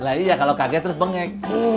lah iya kalau kaget terus bengek